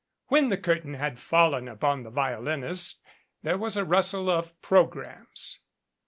When the curtain had fallen upon the violinist, there was a rustle of programs.